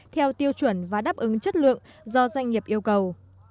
theo tiêu chuẩn và đáp ứng chất lượng do doanh nghiệp yêu cầu